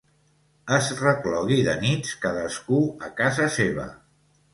Es reclogui de nits, cadascú a casa seva.